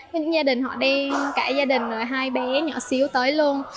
những gia đình họ đi cả gia đình rồi hai bé nhỏ xíu tới luôn